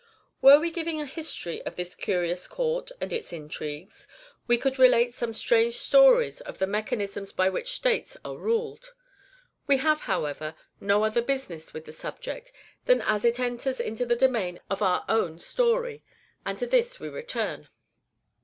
Were we giving a history of this curious court and its intrigues, we could relate some strange stories of the mechanism by which states are ruled. We have, however, no other business with the subject than as it enters into the domain of our own story, and to this we return.